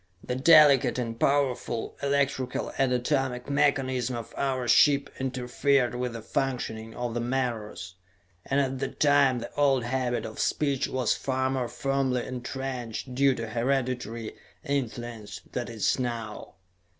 The delicate and powerful electrical and atomic mechanism of our ship interfered with the functioning of the menores, and at that time the old habit of speech was far more firmly entrenched, due to hereditary influence, than it is now.